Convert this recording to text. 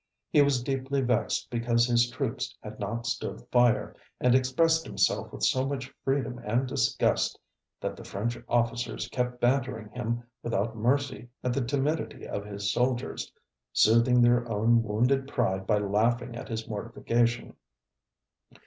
He was deeply vexed because his troops had not stood fire, and expressed himself with so much freedom and disgust, that the French officers kept bantering him without mercy at the timidity of his soldiers, soothing their own wounded pride by laughing at his mortification.